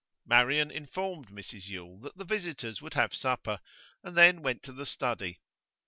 Marian informed Mrs Yule that the visitors would have supper, and then went to the study.